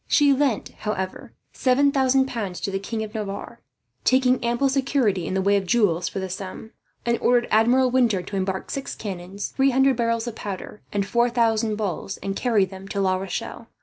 She lent, however, 7000 pounds to the King of Navarre, taking ample security in the way of jewels for the sum; and ordered Admiral Winter to embark six cannons, three hundred barrels of powder, and four thousand balls, and carry them to La Rochelle.